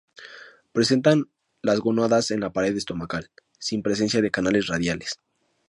Presentan las gónadas en la pared estomacal, sin presencia de canales radiales.